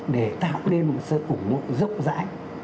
để tạo nên một sự ủng hộ rốc rãi